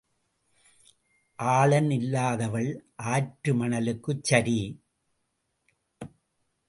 ஆளன் இல்லாதவள் ஆற்று மணலுக்குச் சரி.